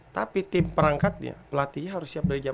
tapi tim perangkatnya pelatihnya harus siap dari jam berapa